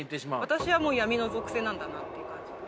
私はもう闇の属性なんだなっていう感じで。